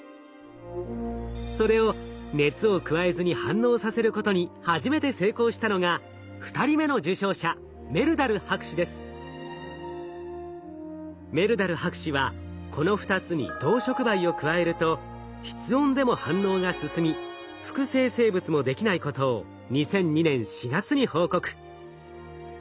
それを熱を加えずに反応させることに初めて成功したのが２人目の受賞者メルダル博士はこの２つに銅触媒を加えると室温でも反応が進み副生成物もできないことを２００２年４月に報告。